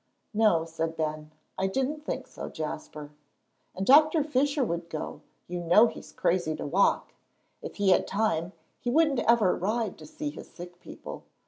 "No," said Ben, "I didn't think so, Jasper." "And Doctor Fisher would go; you know he's crazy to walk. If he had time, he wouldn't ever ride to see his sick people.